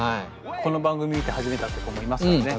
この番組見て始めたって子もいますからね。